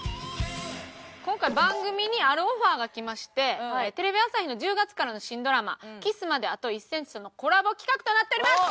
今回番組にあるオファーがきましてテレビ朝日の１０月からの新ドラマ「キスまであと１センチ」とのコラボ企画となっております！